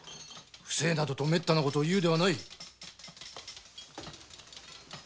不正などとめったな事を言うでない。